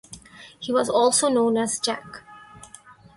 He was also known as Jack.